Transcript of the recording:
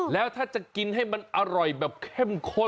แล้วถ้าจะกินให้มันอร่อยแบบเข้มข้น